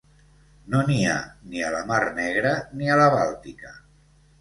No n'hi ha ni a la Mar Negra ni a la Bàltica.